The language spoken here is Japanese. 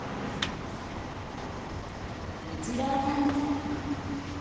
イチローさんです。